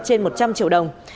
trên một trăm linh triệu đồng